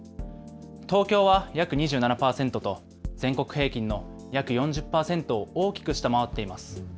東京は約２７％と全国平均の約４０％を大きく下回っています。